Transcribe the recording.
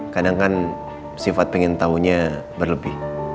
kadang kan sifat pengen tahunya berlebih